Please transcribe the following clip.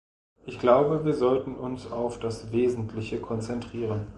Ich glaube, wir sollten uns auf das Wesentliche konzentrieren.